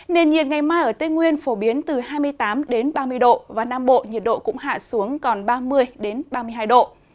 nền nhiệt ngày mai ở tây nguyên phổ biến từ hai mươi tám ba mươi độ và nam bộ nhiệt độ cũng hạ xuống còn ba mươi ba mươi hai độ